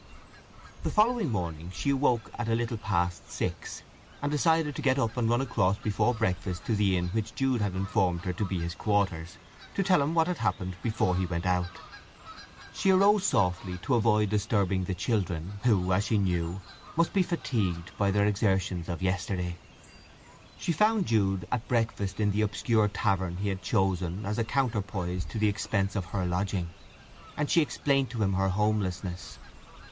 The following morning she awoke at a little past six, and decided to get up and run across before breakfast to the inn which Jude had informed her to be his quarters, to tell him what had happened before he went out. She arose softly, to avoid disturbing the children, who, as she knew, must be fatigued by their exertions of yesterday. She found Jude at breakfast in the obscure tavern he had chosen as a counterpoise to the expense of her lodging: and she explained to him her homelessness.